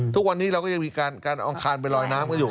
ทุกวันนี้เราก็ยังมีการเอาอังคารไปลอยน้ำกันอยู่